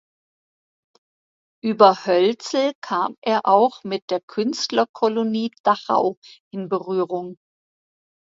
Über Hölzel kam er auch mit der Künstlerkolonie Dachau in Berührung.